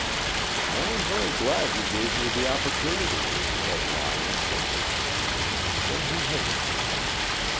"I am very glad you gave me the opportunity," said Lyon simply. Then he hesitated.